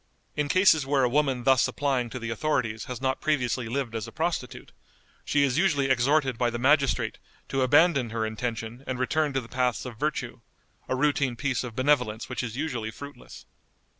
In cases where a woman thus applying to the authorities has not previously lived as a prostitute, she is usually exhorted by the magistrate to abandon her intention and return to the paths of virtue, a routine piece of benevolence which is usually fruitless.